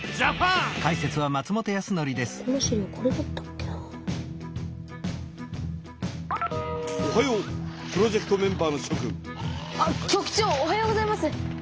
あっ局長おはようございます。